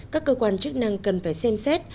các cơ quan chức năng cần phải xem xét